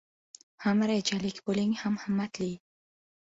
• Ham rejalik bo‘ling, ham himmatli.